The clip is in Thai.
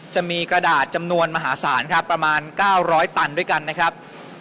จะมีกระดาษจำนวนมหาศาลครับประมาณ๙๐๐ตันด้วยกันนะครับ